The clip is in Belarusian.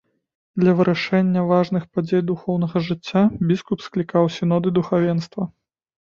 Для вырашэння важных падзей духоўнага жыцця біскуп склікаў сіноды духавенства.